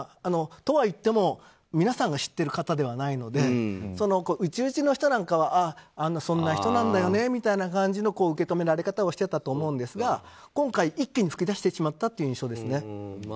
とはいっても、皆さんが知っている方ではないので内々の人なんかはそんな人なんだよねみたいな受け止められ方をしていたと思うんですが今回、一気に噴き出してしまったという印象ですね。